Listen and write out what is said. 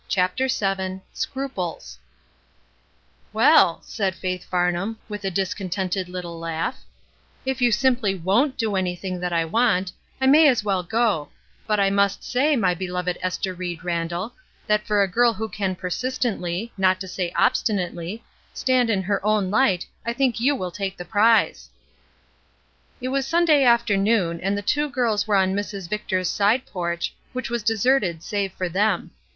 CHAPTER VII SCRUPLES " TT7ELL;' said Faith Farnham, with a dis VV contented little laugh, "if you simply won't do anything that I want, I may as well go ; but I must say, my beloved Esther Ried Randall, that for a girl who can persistently — not to say obstinately — stand in her own light I think you will take the prize." It was Sunday afternoon, and the two girls were on Mrs. Victor^s side porch, which was deserted save for them.